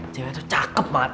cewek tuh cakep banget